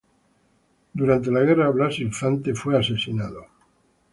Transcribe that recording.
Durante la guerra Blas Infante fue fusilado.